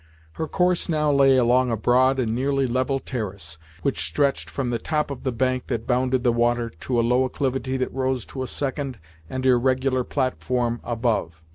Her course now lay along a broad and nearly level terrace, which stretched from the top of the bank that bounded the water, to a low acclivity that rose to a second and irregular platform above.